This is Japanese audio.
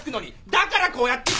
だからこうやって。